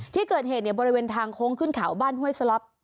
ที่เกิดเหตุเนี่ยบริเวณทางโค้งขึ้นเขาบ้านห้วยสล็อป